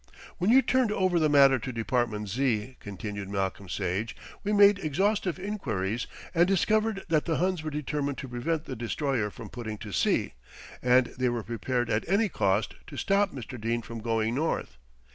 "When you turned over the matter to Department Z.," continued Malcolm Sage, "we made exhaustive inquiries and discovered that the Huns were determined to prevent the Destroyer from putting to sea, and they were prepared at any cost to stop Mr. Dene from going north.